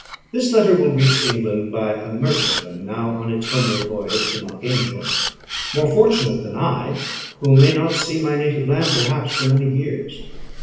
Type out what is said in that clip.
This letter will reach England by a merchantman now on its homeward voyage from Archangel; more fortunate than I, who may not see my native land, perhaps, for many years.